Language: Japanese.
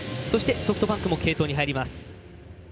ソフトバンクは継投に入ります。